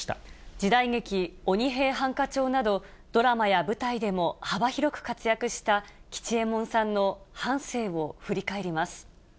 時代劇、鬼平犯科帳など、ドラマや舞台でも幅広く活躍した吉右衛門さんの半生を振り返りま